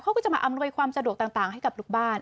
เขาก็จะมาอำนวยความสะดวกต่างให้กับลูกบ้าน